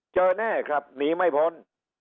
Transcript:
แน่ครับหนีไม่พ้น